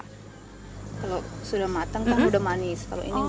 kalau sudah matang kan sudah manis